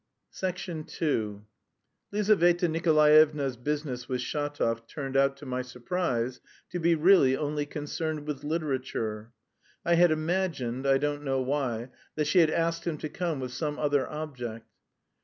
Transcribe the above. II Lizaveta Nikolaevna's business with Shatov turned out, to my surprise, to be really only concerned with literature. I had imagined, I don't know why, that she had asked him to come with some other object.